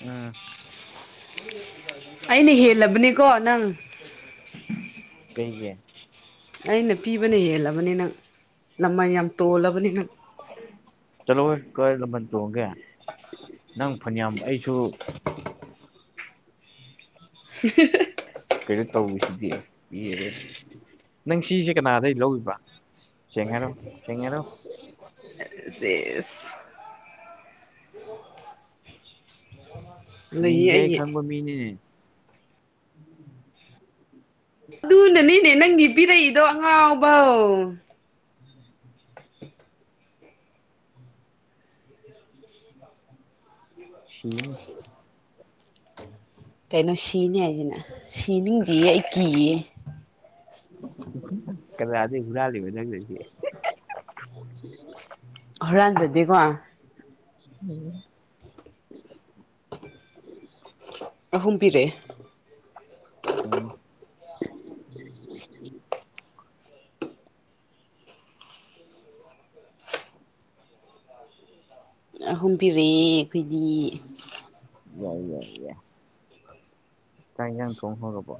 ꯎꯝ ꯑꯩꯅ ꯍꯦꯜꯂꯕꯅꯤꯀꯣ ꯅꯪ ꯀꯩꯒꯤ ꯑꯩꯅ ꯄꯤꯕꯅ ꯍꯦꯜꯂꯕꯅꯦ ꯅꯪ ꯂꯃꯜ ꯌꯥꯝ ꯇꯣꯜꯂꯕꯅꯦ ꯅꯪ ꯆꯠꯂꯣꯍꯦ ꯀꯥꯏ ꯂꯃꯟ ꯇꯣꯡꯒꯦ ꯅꯪ ꯐꯅꯌꯥꯝ ꯑꯩꯁꯨ [unintelligible] [unintelligible] ꯀꯩꯅꯣ ꯇꯧꯔꯤꯁꯤꯗꯤ ꯄꯤꯒ꯭ꯔꯦ ꯅꯪ ꯁꯤꯁꯦ ꯀꯅꯥꯗꯩ ꯂꯧꯔꯤꯕ ꯁꯦꯡ ꯍꯥꯏꯔꯛꯑꯣ ꯁꯦꯡ ꯍꯥꯏꯔꯛꯑꯣ ꯁꯦꯁ ꯂꯩꯌꯦ ꯃꯤꯡꯖꯦ ꯑꯩ ꯑꯩꯒꯤ ꯈꯪꯕ ꯃꯤꯅꯤꯅꯦ ꯑꯗꯨꯅꯅꯤꯅꯦ ꯅꯪꯒꯤ ꯄꯤꯔꯛꯏꯗꯣ ꯑꯉꯥꯎꯕꯧ [inaudible] ꯁꯤꯅꯤ ꯀꯩꯅꯣ ꯁꯤꯅꯤ ꯍꯥꯏꯖꯤꯅ ꯁꯤꯅꯤꯡꯗꯤꯌꯦ ꯑꯩ ꯀꯤꯌꯦ ꯀꯥꯅꯗꯩ ꯍꯨꯔꯥꯜꯂꯤꯕ ꯅꯪꯅꯗꯤ ꯍꯨꯔꯥꯟꯖꯗꯦꯀꯣ ꯎꯝ ꯑꯍꯨꯝ ꯄꯤꯔꯛꯑꯦ ꯎꯝ [inaudible] ꯑꯍꯨꯝ ꯄꯤꯔꯛꯑꯦ ꯑꯩꯈꯣꯏꯗꯤ ꯌꯥꯏ ꯌꯥꯏꯌꯦ ꯆꯥꯛ ꯍꯤꯟꯖꯥꯡ ꯊꯣꯡ ꯍꯧꯔꯕꯣ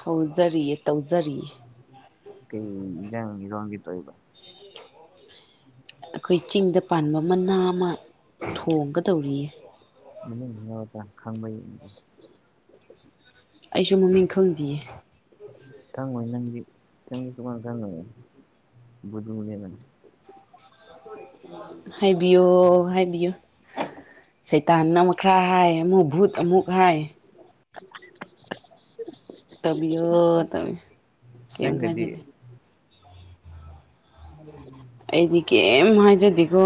ꯍꯧꯖꯔꯤꯌꯦ ꯇꯧꯖꯔꯤꯌꯦ ꯀꯩ ꯏꯟꯖꯥꯡ ꯏꯂꯣꯟꯒꯦ ꯇꯧꯔꯤꯕ ꯑꯩꯈꯣꯏ ꯆꯤꯡꯗ ꯄꯥꯟꯕ ꯃꯅꯥ ꯑꯃ ꯊꯣꯡꯒꯗꯧꯔꯤꯌꯦ ꯃꯅꯨꯡ [unintelligible] ꯈꯪꯕ꯭ꯔꯥ ꯌꯦꯡꯒꯦ ꯑꯩꯁꯨ ꯃꯃꯤꯡ ꯈꯪꯗꯤꯌꯦ ꯈꯪꯉꯣꯏ ꯅꯪꯗꯤ ꯅꯪꯗꯤ ꯁꯨꯈꯪ ꯈꯪꯉꯣꯏꯌꯦ ꯕꯨꯙꯨꯅꯦ ꯅꯪ ꯍꯥꯏꯕꯤꯌꯣ ꯍꯥꯏꯕꯤꯌꯣ ꯁꯩꯇꯥꯟꯅ ꯑꯃꯨꯛ ꯈꯔ ꯍꯥꯏ ꯑꯃꯨꯛ ꯚꯨꯠ ꯑꯃꯨꯛ ꯍꯥꯏ [inaudible] ꯇꯝꯕꯤꯌꯣ ꯇꯝꯕꯤ ꯀꯩꯝ ꯀꯥꯏꯖꯗꯦ ꯅꯪꯅꯗꯤ [unintelligible] ꯑꯩꯗꯤ ꯀꯩꯝ ꯍꯥꯏꯖꯗꯦꯀꯣ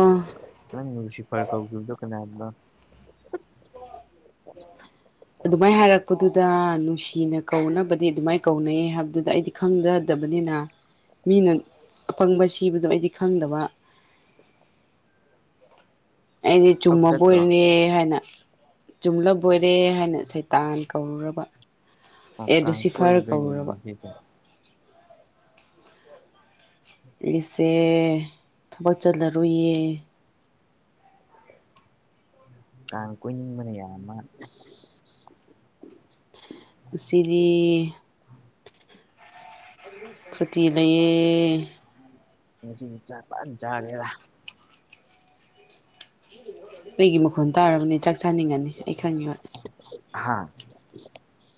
ꯅꯪ ꯅꯨꯡꯁꯤꯐꯔ ꯀꯧꯈꯤꯕꯗꯨ ꯀꯅꯥꯗꯅꯣ [unintelligible] ꯑꯗꯨꯃꯥꯏ ꯍꯥꯏꯔꯛꯄꯗꯨꯗ ꯅꯨꯡꯁꯤꯅ ꯀꯧꯅꯕꯗꯤ ꯑꯗꯨꯃꯥꯏ ꯀꯧꯅꯩ ꯍꯥꯏꯕꯗꯨꯗ ꯑꯩꯗꯤ ꯈꯪꯖꯗꯕꯅꯤꯅ ꯃꯤꯅ ꯑꯄꯪꯕ ꯁꯤꯕꯗꯣ ꯑꯩꯗꯤ ꯈꯪꯗꯕ ꯑꯩꯗꯤ ꯐꯛ ꯆꯨꯝꯃꯥ ꯆꯠꯇ꯭ꯔꯣ ꯕꫭꯏꯅꯦ ꯍꯥꯏꯅ ꯆꯨꯝꯂꯕꯣꯏꯔꯦ ꯍꯥꯏꯅ ꯁꯩꯇꯥꯟ ꯀꯧꯔꯨꯔꯕ ꯑꯦ ꯀꯥꯡ ꯂꯨꯁꯤꯐꯔ ꯀꯣꯏꯔꯨꯗꯣꯏꯅꯤꯅꯦ ꯀꯧꯔꯨꯔꯕ ꯉꯁꯤꯁꯦ ꯏꯁꯦ ꯊꯕꯛ ꯆꯠꯂꯔꯣꯏꯌꯦ ꯀꯥꯡ ꯀꯣꯏꯅꯤꯡꯕꯅ ꯌꯥꯏ ꯃꯥ ꯉꯁꯤꯗꯤ ꯁꯨꯇꯤ ꯂꯩꯌꯦ ꯉꯁꯤꯗꯤ ꯆꯥꯛ ꯐꯟ ꯆꯥꯒꯦꯔꯥ ꯑꯩꯒꯤ ꯃꯈꯣꯟ ꯇꯥꯔꯕꯅꯦ ꯆꯥꯛ ꯆꯥꯅꯤꯡꯉꯅꯤ ꯑꯩ ꯈꯪꯉꯦꯕ ꯍꯥꯥ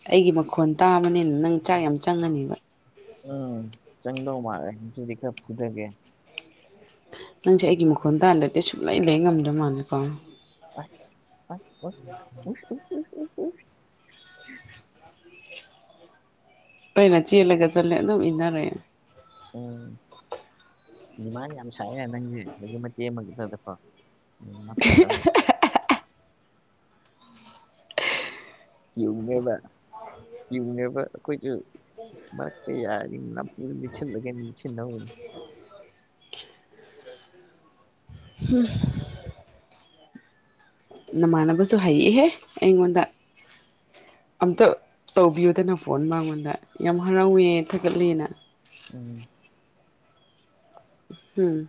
ꯑꯩꯒꯤ ꯃꯈꯣꯟ ꯇꯥꯕꯅꯤꯅ ꯅꯪ ꯆꯥꯛ ꯌꯥꯝ ꯆꯪꯉꯅꯤꯕ ꯎꯝ ꯆꯪꯗꯧ ꯃꯥꯜꯂꯦ ꯉꯁꯤꯗꯤ ꯈꯔꯥ ꯐꯨꯗꯥꯒꯦ ꯅꯪꯁꯦ ꯑꯩꯒꯤ ꯃꯈꯣꯟ ꯇꯥꯗ꯭ꯔꯥꯗꯤ ꯁꯨꯡꯂꯩ ꯂꯩ ꯉꯝꯗ꯭ꯔꯥ ꯃꯥꯜꯂꯦꯀꯣ ꯑꯣꯏ ꯑꯣꯏ ꯑꯣꯏ ꯍꯤꯌꯥꯡ ꯄꯥꯟ ꯎꯁ ꯎꯁ ꯎꯁ ꯎꯁ ꯎꯁ ꯑꯩꯩꯅ ꯆꯦꯜꯂꯒ ꯆꯠꯂꯦ ꯑꯗꯨꯝ ꯏꯟꯅꯥꯔꯦ ꯎꯝ ꯗꯤꯃꯥꯟꯗ ꯌꯥꯝ ꯁꯥꯏꯑꯦ ꯅꯪꯖꯤ ꯅꯌꯨꯝ ꯃꯇꯦꯛ ꯑꯃꯒꯤ ꯈꯔꯥꯗꯀꯣ ꯅꯥꯞꯇꯅꯥ ꯌꯨ ꯅꯦꯕ ꯌꯨ ꯅꯦꯕ ꯑꯩꯈꯣꯏꯒꯤ ꯃꯔꯛꯇ ꯌꯥꯔꯗꯤ ꯅꯞꯐꯨ ꯂꯤꯠꯁꯤꯜꯂꯒ ꯂꯤꯠꯁꯤꯟꯗꯧꯅꯤ [inaudible] ꯅꯃꯥꯟꯅꯕꯁꯨ ꯍꯩꯍꯦ ꯑꯩꯉꯣꯟꯗ ꯑꯝꯇ ꯇꯧꯕꯤꯌꯨꯗꯅ ꯐꯣꯟ ꯃꯉꯣꯟꯗ ꯌꯥꯝ ꯍꯔꯥꯎꯋꯦ ꯊꯥꯒꯠꯂꯦꯅ ꯎꯝ꯫ ꯍꯨꯝ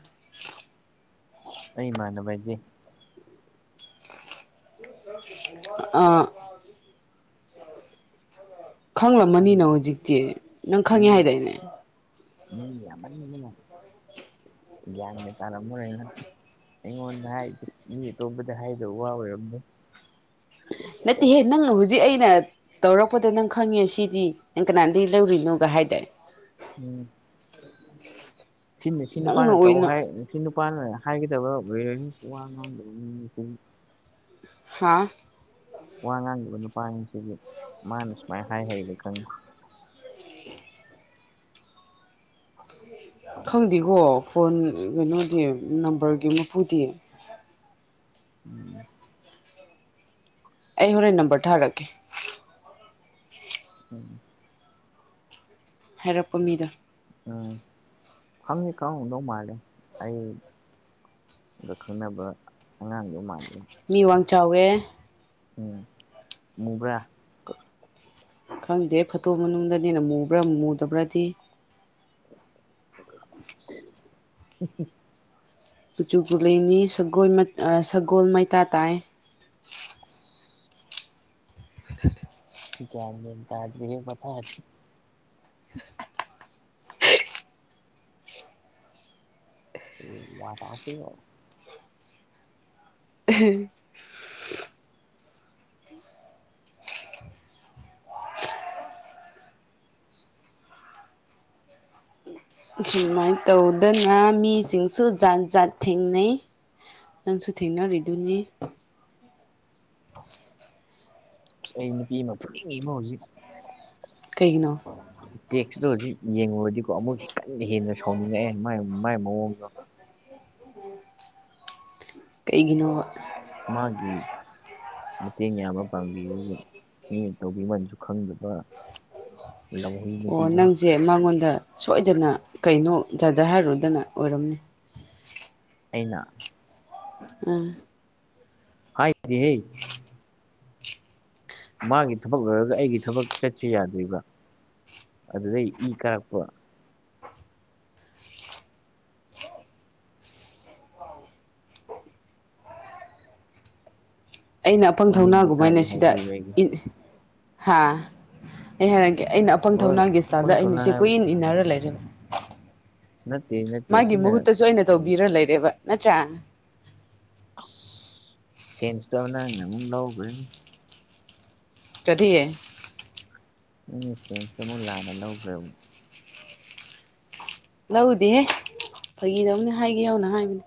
ꯑꯩ ꯏꯃꯥꯟꯅꯕ ꯍꯥꯏꯗꯤ ꯑꯥ ꯃꯤ ꯈꯪꯔꯝꯃꯅꯤꯅ ꯍꯨꯖꯤꯛꯇꯤ ꯅꯪ ꯈꯪꯉꯦ ꯃꯤ ꯍꯥꯏꯗꯥꯏꯅꯦ ꯃꯤ ꯌꯥꯝꯃꯟꯗꯅ ꯒ꯭ꯌꯥꯟꯒ ꯇꯥꯔꯝꯃꯔꯣꯏ ꯅꯪ ꯑꯩꯉꯣꯟꯗ ꯍꯥꯏꯗꫭ ꯃꯤ ꯑꯇꯣꯞꯄꯗ ꯍꯥꯏꯗꯧ ꯋꯥ ꯑꯣꯏꯔꯝꯗꯅ ꯅꯠꯇꯦꯍꯦ ꯅꯪꯅ ꯍꯧꯖꯤꯛ ꯑꯩꯅ ꯇꯧꯔꯛꯄꯗ ꯅꯪ ꯈꯪꯉꯦ ꯁꯤꯗꯤ ꯅꯪ ꯀꯅꯥꯗꯩ ꯂꯧꯔꯤꯅꯣꯒ ꯍꯥꯏꯗꯥꯏ ꯎꯝ ꯁꯤꯅ ꯁꯤ ꯅꯪꯅ ꯅꯨꯄꯥꯅ ꯇꯧ ꯑꯣꯏꯅ ꯍꯥꯏ ꯁꯤ ꯅꯨꯄꯥꯅ ꯍꯥꯏꯒꯗꯕ ꯑꯣꯏꯔꯝꯅꯤ ꯋꯥ ꯉꯥꯡꯗꯕ ꯃꯤ [unintelligible] ꯍꯥꯥ ꯋꯥ ꯉꯥꯡꯗꯕ ꯅꯨꯄꯥꯅꯤꯁꯤꯗꯤ ꯃꯅꯥ ꯁꯨꯃꯥꯏ ꯍꯥꯏ ꯍꯥꯏꯔꯤꯕ ꯈꯪꯕ꯭ꯔꯥ ꯈꯪꯗꯦꯀꯣ ꯐꯣꯟ ꯀꯩꯅꯣꯗꯤ ꯅꯝꯕꯔꯒꯤ ꯃꯄꯨꯗꯤ ꯎꯝ꯫ ꯑꯩ ꯍꯣꯔꯦꯟ ꯅꯝꯕꯔ ꯊꯥꯔꯛꯀꯦ꯫ ꯎꯝ꯫ ꯍꯥꯏꯔꯛꯄ ꯃꯤꯗꯣ꯫ ꯎꯝ ꯈꯪꯗꯤ ꯀꯥꯎꯔꯝꯗꯧ ꯃꯥꯂꯦ ꯑꯩ ꯒ ꯈꯪꯅꯕ ꯑꯉꯥꯡꯗꯣ ꯃꯥꯜꯂꯤ꯫ ꯃꯤ ꯋꯥꯡ ꯆꯥꯎꯋꯦ꯫ ꯎꯝ ꯃꯨꯕ꯭ꯔꯥ꯫ ꯈꯪꯗꯦ ꯐꯣꯇꯣ ꯃꯅꯨꯡꯗꯅꯤꯅ ꯃꯨꯕ꯭ꯔꯥ ꯃꯨꯗꯕ꯭ꯔꯗꯤ꯫ [unintelligible] ꯀꯨꯆꯨ ꯀꯨꯃꯦꯟꯗꯤ ꯁꯒꯣꯜ ꯃ ꯑ ꯁꯒꯣꯜ ꯃꯩꯇꯥ ꯇꯥꯏ꯫ ꯒ꯭ꯌꯥꯟ ꯃꯦꯟ ꯇꯥꯗꯦꯍꯦ ꯃꯊꯥ ꯁꯤ [unintelligible] [unintelligible] [unintelligible] ꯃꯥꯏꯅ ꯇꯧꯗꯅ ꯃꯤꯁꯤꯡꯁꯨ ꯖꯥꯠ-ꯖꯥꯠ ꯊꯦꯡꯅꯩ꯫ ꯅꯪꯁꯨ ꯊꯦꯡꯅꯔꯤꯗꯨꯅꯤ꯫ ꯑꯁ ꯑꯩ ꯅꯨꯄꯤ ꯑꯃ ꯐꯨꯅꯤꯡꯉꯤꯉꫭ ꯍꯧꯖꯤꯛ꯫ ꯀꯩꯒꯤꯅꯣ꯫ ꯇꯦꯛꯁꯇꯣ ꯍꯧꯖꯤꯛ ꯌꯦꯡꯉꯨꯔꯗꯤꯀꯣ ꯑꯃꯨꯛꯁꯤ ꯀꯟꯅ ꯍꯦꯟꯅ ꯁꯥꯎꯅꯤꯡꯉꯛꯑꯦ ꯃꯥꯏ ꯃꯥꯏ ꯃꯑꯣꯡꯗꯣ꯫ ꯀꯩꯒꯤꯅꯣꯕ꯫ ꯃꯥꯒꯤ ꯃꯇꯦꯡ ꯌꯥꯕ ꯄꯥꯡꯕꯤꯔꯒ ꯃꯤꯒꯤ ꯇꯧꯕꯤꯃꯜꯁꯨ ꯈꯪꯗꯕ꯫ ꯂꯝꯍꯨꯏ ꯑꯣ ꯅꯨꯄꯤꯗꯣ ꯅꯪꯁꯦ ꯃꯉꯣꯟꯗ ꯁꯣꯏꯗꯅ ꯀꯩꯅꯣ ꯖꯖꯥꯠ ꯍꯥꯏꯔꯨꯗꯅ ꯑꯣꯏꯔꯝꯅꯤ꯫ ꯑꯩꯅꯥ꯫ ꯑ꯫ ꯍꯥꯏꯗꯦꯍꯦ꯫ ꯃꯥꯒꯤ ꯊꯕꯛ ꯂꯣꯏꯔꯒ ꯑꯩꯒꯤ ꯊꯕꯛ ꯆꯠꯁꯦ ꯌꯥꯗ꯭ꯔꯤꯕ ꯑꯗꯨꯗꯩ ꯏ ꯀꯥꯔꯛꯄ꯫ ꯑꯩꯅ ꯑꯄꯪ ꯃꯃꯤꯡ ꯊꯧꯅꯥꯒꯨꯝꯃꯥꯏꯅ ꯃꯊꯥꯗꯤ ꯁꯤꯗ ꯍꯥꯏꯕꯤꯔꯣꯏ ꯑꯩꯒꯤ ꯏꯟ ꯍꯥ ꯑꯩ ꯍꯥꯏꯔꯒꯦ ꯑꯩꯅ ꯑꯄꯪ ꯍꯣꯏ ꯊꯧꯅꯥꯒꯤ ꯏꯁ꯭ꯇꯥꯜꯗ ꯑꯄꯪ ꯑꯩꯅ ꯁꯣꯟꯅ ꯁꯤ ꯍꯥꯏꯕ ꯀꯨꯏꯟ ꯏꯟꯅꯔ ꯂꯩꯔꯦ꯫ ꯅꯠꯇꯦ ꯅꯠꯇꯦ ꯃꯥꯒꯤ ꯁꯤꯅ ꯃꯍꯨꯠꯇꯁꯨ ꯑꯩꯅ ꯇꯧꯕꯤꯔ ꯂꯩꯔꯦꯕ ꯅꯠꯇ꯭ꯔꯥ꯫ ꯑꯁ ꯁꯦꯟꯁ ꯇꯣ ꯅꯪꯅ ꯑꯃꯨꯛ ꯂꯧꯒ꯭ꯔꯦꯅꯦ꯫ ꯀꯔꯤ꯫ ꯅꯪꯗꯤ ꯁꯦꯟꯁꯇꯣ ꯑꯃꯨꯛ ꯂꯥꯟꯅ ꯂꯧꯈ꯭ꯔꯦꯕ꯫ ꯂꯧꯗꯦꯍꯦ ꯐꯒꯤ ꯇꯧꯕꯅꯦ ꯍꯥꯏꯒꯦ ꯌꯧꯅ ꯍꯥꯏꯕꯅꯦ꯫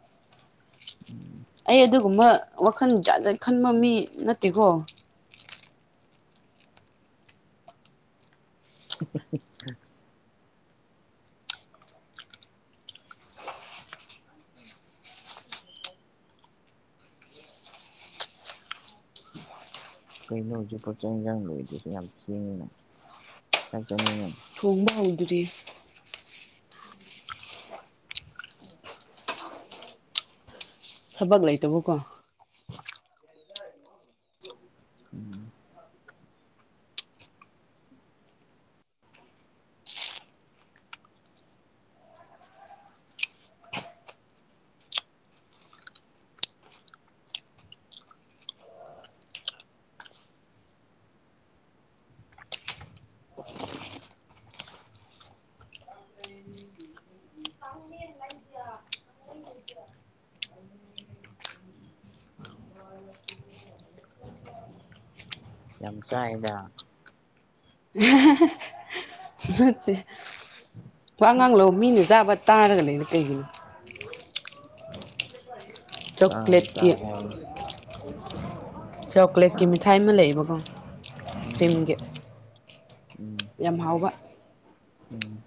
ꯎꯝ꯫ ꯑꯩ ꯑꯗꯨꯒꯨꯝꯕ ꯋꯥꯈꯟ ꯖꯥꯠ-ꯖꯥꯠ ꯈꯟꯕ ꯃꯤ ꯅꯠꯇꯦꯀꯣ꯫ [unintelligible] ꯀꯩꯩꯅꯣ ꯍꯧꯖꯤꯛ ꯐꯥꯎ ꯆꯥꯛ ꯏꯟꯖꯥꯡ ꯂꯣꯏꯗ꯭ꯔꯤꯁꯦ ꯌꯥꯝ ꯊꯦꯡꯉꯤꯅ ꯆꯛ ꯆꯥꯅꯤꯡꯉꯦ꯫ ꯍꯥꯎꯗ꯭ꯔꯤ꯫ ꯊꯕꯛ ꯂꯩꯇꯕꯀꯣ꯫ ꯎꯝ꯫ ꯌꯥꯝ ꯆꯥꯏꯌꯦꯗ꯫ [unintelligible] ꯅꯠꯇꯦ ꯋꯥꯉꯥꯡ ꯂꯧ ꯃꯤꯅ ꯆꯥꯕ ꯇꯥꯔꯒ ꯂꯩꯕ ꯀꯩꯒꯤꯅꯣ꯫ ꯆꯥꯕꯨ ꯆꯣꯀ꯭ꯂꯦꯠꯀꯤ ꯆꯥꯏ ꯍꯥꯏꯕꯅꯤ ꯆꯣꯀ꯭ꯂꯦꯠꯀꯤ ꯃꯤꯊꯥꯏ ꯑꯃ ꯂꯩꯌꯦꯕꯀꯣ ꯎꯝ ꯀ꯭ꯔꯤꯝꯒꯤ ꯎꯝ ꯌꯥꯝ ꯍꯥꯎꯕ ꯎꯝ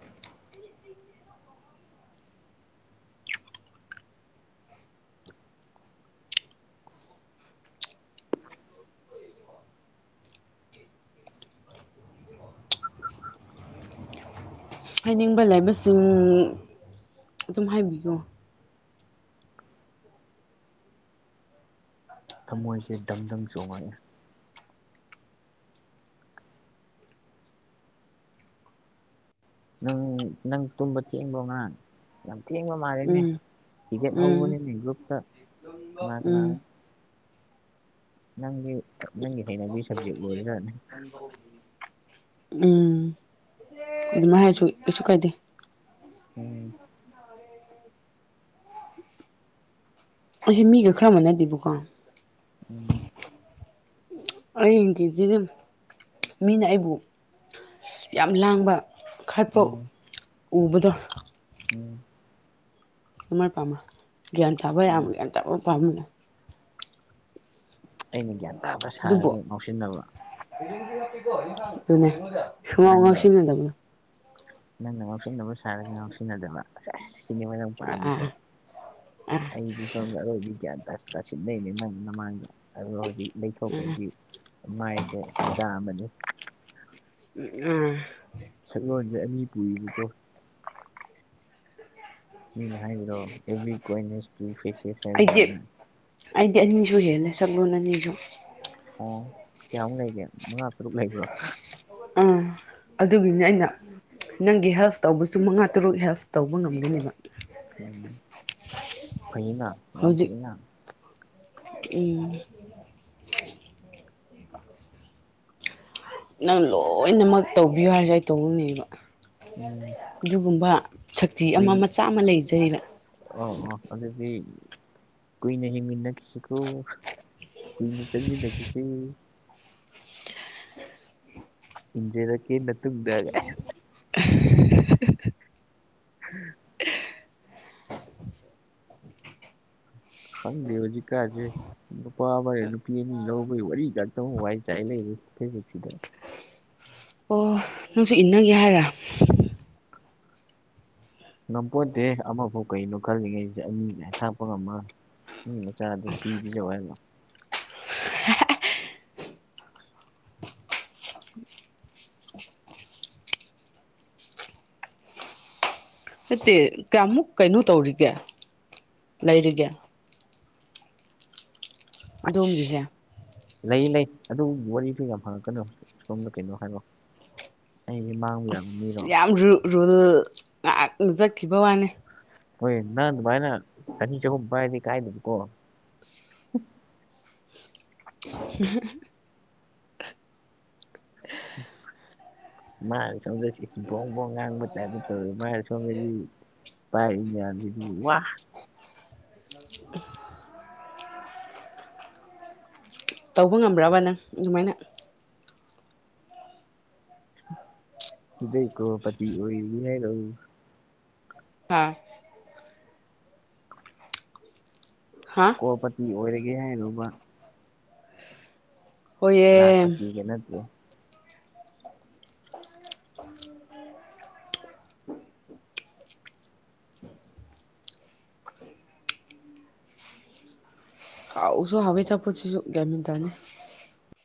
ꯍꯥꯏꯅꯤꯡꯕ ꯂꯥꯏꯕꯁꯤꯡ ꯑꯗꯨꯝ ꯍꯥꯏꯕꯤꯌꯣ [inaudible] ꯊꯃꯣꯏꯁꯦ ꯗꯪ ꯗꯪ ꯆꯣꯡꯍꯜꯂꯦ ꯅꯪ ꯅꯪ ꯇꯨꯝꯕ ꯊꯦꯡꯕ꯭ꯔꯣ ꯉꯔꯥꯡ ꯌꯥꯝ ꯊꯦꯡꯕ ꯃꯥꯜꯂꯦꯅꯦ ꯎꯝ ꯍꯤꯒꯠ ꯎꯝ ꯍꯧꯕꯅꯤꯅꯦ ꯒ꯭ꯔꯨꯞꯇ ꯀꯅꯥ ꯎꯝ ꯀꯅꯥꯅꯣ ꯅꯪꯗꯤ ꯅꯪꯒꯤ ꯍꯩꯅꯕꯤ ꯁꯕꯖꯦꯛ ꯂꯣꯢꯔꯦ ꯎꯝ ꯑꯗꯨꯃꯥꯏ ꯍꯥꯏꯔꯁꯨ ꯀꯩꯁꯨ ꯀꯥꯏꯗꯦ ꯎꯝ ꯑꯩꯖꯤ ꯃꯤꯒ ꯈꯔ ꯃꯥꯟꯅꯗꯦꯕꯀꯣ ꯎꯝ ꯑꯩꯒꯤꯖꯤꯗꯤ ꯃꯤꯅ ꯑꯩꯕꯨ ꯌꯥꯝ ꯂꯥꯡꯕ ꯈꯠꯄꯥ ꯎꯝ ꯎꯕꯗꯣ ꯎꯝ ꯑꯃꯥꯏꯅ ꯄꯥꯝꯃꯔ ꯒ꯭ꯌꯥꯟ ꯇꯥꯕ ꯎꯝ ꯌꯥꯝ ꯒ꯭ꯌꯥꯟ ꯇꯥꯕ ꯄꯥꯝꯃꯦ ꯑꯩꯅ ꯒ꯭ꯌꯥꯟ ꯇꯥꯕ ꯑꯗꯨꯕꯨ ꯁꯥꯔꯒ ꯉꯥꯎꯁꯤꯟꯅꯕ ꯑꯗꯨꯅꯦ ꯁꯨꯡꯉꯥꯎ ꯅꯪꯅ ꯉꯥꯎꯁꯤꯟꯅꯗꯕꯗꯣ ꯅꯪꯅ ꯉꯥꯎꯁꯤꯅꯕ ꯁꯥꯔꯒ ꯉꯥꯎꯁꯤꯟꯅꯗꯕ ꯁꯦꯁ ꯁꯤꯅꯦꯕ ꯅꯪ ꯄꯥꯝꯃꯤꯁꯦ ꯑꯥ ꯑꯥ ꯑꯩꯗꯤ ꯁꯣꯝꯗ ꯑꯔꯣꯏꯕꯤ ꯒ꯭ꯌꯥꯟ ꯇꯥꯁ ꯇꯥꯁꯤꯠ ꯂꯩꯅꯦ ꯅꯪ ꯅꯃꯥꯡꯗ ꯑꯗꯨꯒ ꯍꯧꯖꯤꯛ ꯂꯩꯊꯣꯛꯈ꯭ꯔꯗꯤ ꯃꯥꯏꯖꯦ ꯃꯥꯏꯗ ꯑꯃꯅꯤ ꯑꯝꯑꯥ ꯁꯛꯂꯣꯟꯖꯦ ꯑꯅꯤ ꯄꯨꯏꯌꯤꯕꯀꯣ ꯃꯤꯅ ꯍꯥꯏꯕꯗꯣ ꯑꯦꯚ꯭ꯔꯤ ꯀꯣꯟꯅꯦꯁ ꯄ꯭ꯔꯤ ꯐꯦꯁꯦꯁ ꯑꯗꯨꯃꯥꯏꯅ ꯑꯩꯗꯤ ꯑꯩꯗꯤ ꯑꯅꯤꯖꯨ ꯍꯦꯜꯂꯦ ꯁꯛꯂꯣꯟ ꯑꯅꯤꯖꯨ ꯑꯣ ꯀꯌꯥꯃꯨꯛ ꯂꯩꯒꯦ ꯃꯉꯥ ꯇꯔꯨꯛ ꯂꯩꯕ꯭ꯔꯣ ꯑꯥ ꯑꯗꯨꯒꯤꯅꯦ ꯑꯩꯅ ꯅꯪꯒꯤ ꯍꯦꯜꯞ ꯇꯧꯕꯁꯨ ꯃꯉꯥ ꯇꯔꯨꯛ ꯍꯦꯜꯞ ꯇꯧꯕ ꯉꯝꯒꯅꯦꯕ ꯎꯝ ꯐꯩꯅ ꯌꯥꯝ ꯍꯧꯖꯤꯛ ꯐꯩꯅ ꯎꯝ ꯅꯪ ꯂꯣꯏꯅꯃꯛ ꯇꯧꯕꯤꯌꯨ ꯍꯥꯏꯔꯖꯨ ꯑꯩ ꯇꯧꯅꯤꯕ ꯎꯝ ꯑꯗꯨꯒꯨꯝꯕ ꯁꯛꯇꯤ ꯑꯃ ꯀꯨꯏꯅ ꯃꯆꯥ ꯑꯃ ꯂꯩꯖꯩꯕ ꯑꯣ ꯑꯣ ꯑꯗꯨꯗꯤ ꯀꯨꯏꯅ ꯍꯤꯡꯃꯤꯟꯅꯈꯤꯁꯤꯀꯣ ꯀꯨꯏꯅ ꯆꯠꯃꯤꯟꯅꯈꯤꯁꯦ ꯏꯟꯖꯦꯔꯛꯀꯦ ꯅꯇꯨꯡꯗꯒꯥꯏ [unintelligible] ꯈꯪꯗꯦ ꯍꯧꯖꯤꯛꯀꯥꯖꯦ ꯅꯨꯄꯥ ꯑꯃꯅꯥ ꯅꯨꯄꯤ ꯑꯅꯤ ꯂꯧꯕꯩ ꯋꯥꯔꯤ ꯉꯛꯇ ꯋꯥꯏ ꯆꯥꯏ ꯂꯩꯔꯦ ꯐꯦꯁꯕꯨꯛꯁꯤꯗ ꯑꯣ ꯅꯪꯁꯨ ꯏꯟꯅꯒꯦ ꯍꯥꯏꯔꯥ ꯉꯝꯄꯣꯠꯇꯦꯍꯦ ꯑꯃꯐꯥꯎ ꯀꯩꯅꯣ ꯈꯜꯂꯤꯉꯩꯁꯤꯗ ꯑꯅꯤꯀꯥꯏ ꯊꯥꯛꯄ ꯉꯝꯃꯔꯣꯏ ꯃꯤꯃꯆꯥꯗꯣ ꯊꯤ ꯄꯤꯖꯧ ꯍꯥꯏꯕ꯭ꯔꯣ ꯅꯠꯇꯦ ꯀꯌꯥꯃꯨꯛ ꯀꯩꯅꯣ ꯇꯧꯔꯤꯒꯦ ꯂꯩꯔꯤꯒꯦ ꯑꯁ ꯑꯗꯣꯝꯒꯤꯁꯦ ꯂꯩ ꯂꯩ ꯑꯗꯨꯒꯨꯝꯕ ꯋꯥꯔꯤꯁꯨ ꯌꯥꯝ ꯍꯪꯉꯛꯀꯅꯨ ꯁꯣꯝꯗ ꯀꯩꯅꯣ ꯍꯥꯏꯔꯣ ꯑꯩꯗꯤ ꯃꯥꯥꯡꯕ ꯌꯥꯝ ꯑꯁ ꯌꯥꯝ ꯔꯨ ꯔꯨꯜ ꯉꯥꯛꯅ ꯆꯠꯈꯤꯕ ꯋꯥꯅꯦ ꯍꯣꯏ ꯅꯪ ꯑꯗꯨꯃꯥꯏꯅ ꯆꯅꯤ ꯆꯍꯨꯝ ꯄꯥꯏꯔꯗꯤ ꯀꯥꯏꯗꯒꯤꯀꯣ [unintelligible] [unintelligible] [inaudible] ꯃꯥꯅ ꯁꯣꯝꯗ ꯁꯤꯏꯁ ꯕꯣꯡꯕꯣꯡ ꯉꯥꯡꯕ ꯇꯥꯏꯞꯇ ꯇꯧꯋꯦ ꯃꯥꯅ ꯁꯣꯝꯗꯗꯤ ꯄꯥꯏꯔꯤ ꯃꯌꯥꯝꯖꯤꯗꯤ ꯋꯥ ꯇꯧꯕ ꯉꯝꯕ꯭ꯔꯕ ꯅꯪ ꯑꯗꯨꯃꯥꯏꯅ ꯁꯤꯗꯩ ꯀꯣ ꯄꯇꯤ ꯑꯣꯏ [unintelligible] ꯍꯥꯥ ꯍꯥꯥ ꯀ꯭ꯔꯣꯔꯄꯇꯤ ꯑꯣꯏꯔꯒꯦ ꯍꯥꯏꯔꯣꯕ ꯍꯣꯏꯌꯦ ꯂꯥꯛꯄꯇꯤꯒ ꯅꯠꯇꯦ ꯍꯥꯎꯁꯨ ꯍꯥꯎꯋꯤ ꯑꯆꯄꯣꯠꯁꯤꯁꯨ ꯒ꯭ꯌꯥꯟ ꯃꯧꯟ ꯇꯥꯗꯦ